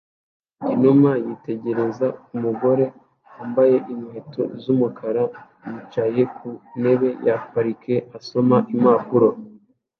Inuma yitegereza umugore wambaye inkweto z'umukara yicaye ku ntebe ya parike asoma impapuro